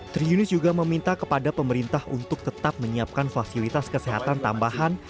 tri yunis juga meminta kepada pemerintah untuk tetap menyiapkan fasilitas kesehatan tambahan